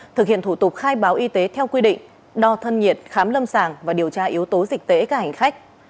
thực hiện thủ tục khai báo y tế theo quy định đo thân nhiệt khám lâm sàng và điều tra yếu tố dịch tễ các hành khách